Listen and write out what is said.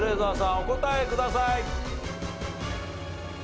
お答えください。